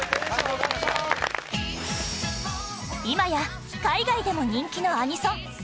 今や海外でも人気のアニソン